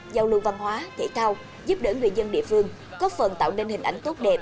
giao lưu văn hóa thể thao giúp đỡ người dân địa phương góp phần tạo nên hình ảnh tốt đẹp